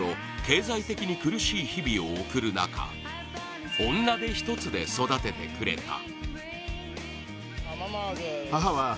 経済的に苦しい日々を送る中女手一つで育ててくれた。